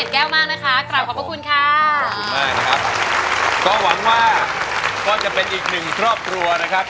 ขอบคุณมากนะครับก็หวังว่าก็จะเป็นอีกหนึ่งครอบครัวนะครับ